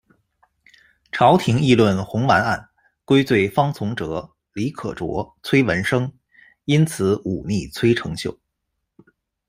朝廷议论红丸案，归罪方从哲、李可灼、崔文升，因此忤逆崔呈秀。